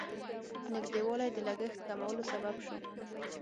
نږدېوالی د لګښت کمولو سبب شو.